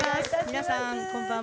皆さん、こんばんは。